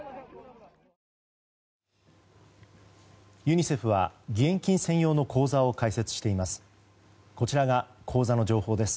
ユニセフは義援金専用の口座を開設しています。